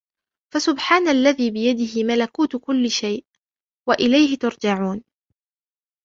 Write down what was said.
فَسُبْحَانَ الَّذِي بِيَدِهِ مَلَكُوتُ كُلِّ شَيْءٍ وَإِلَيْهِ تُرْجَعُونَ